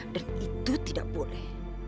dan itu tidak boleh